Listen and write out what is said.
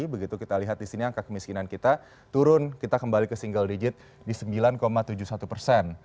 begitu kita lihat di sini angka kemiskinan kita turun kita kembali ke single digit di sembilan tujuh puluh satu persen